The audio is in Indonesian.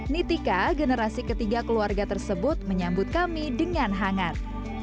nitika generasi ketiga keluarga tersebut menyambut kami dengan hangat